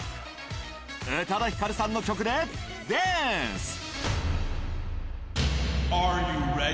宇多田ヒカルさんの曲でダンス。